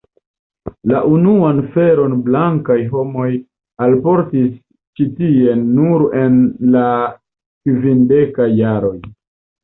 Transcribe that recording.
La unuan feron blankaj homoj alportis ĉi tien nur en la kvindekaj jaroj.